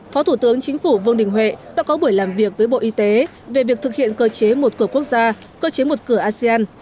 phó thủ tướng chính phủ vương đình huệ đã có buổi làm việc với bộ y tế về việc thực hiện cơ chế một cửa quốc gia cơ chế một cửa asean